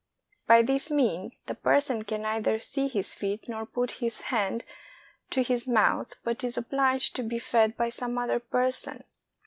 By this means, the person can neither see his feet nor put his hand to his mouth, but is obliged to be fed by some other person.